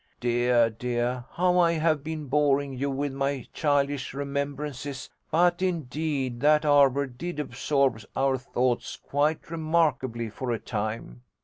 Dear, dear, how I have been boring you with my childish remembrances! but indeed that arbour did absorb our thoughts quite remarkably for a time.